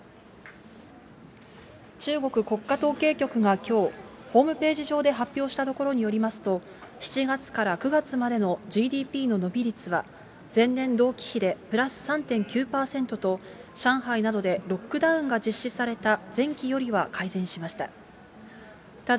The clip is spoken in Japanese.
中国国家統計局がきょう、ホームページ上で発表したところによりますと、７月から９月までのＧＤＰの伸び率は前年同期比でプラス３．９％と、上海などでロックダウンが実施された前期よりは改善しました。